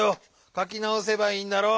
かきなおせばいいんだろう？